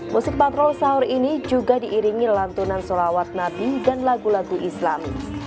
musik patrol sahur ini juga diiringi lantunan solawat nabi dan lagu lagu islam